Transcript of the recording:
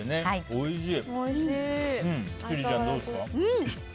おいしい。